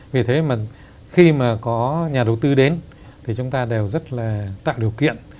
vì thế mà khi mà có nhà đầu tư đến thì chúng ta đều rất là tạo điều kiện